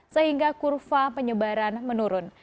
sehingga kurva penyebaran menurun